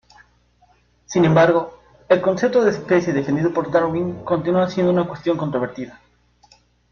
Sin embargo, el concepto de especie defendido por Darwin continúa siendo una cuestión controvertida.